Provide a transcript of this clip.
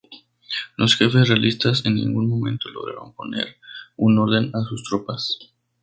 Los jefes realistas en ningún momento lograron poner un orden a sus tropas.